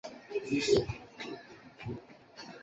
作品讲述一名男子为躲避致命的疾病逃到一个小岛上。